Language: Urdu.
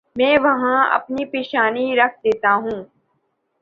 میں وہاں اپنی پیشانی رکھ دیتا ہوں۔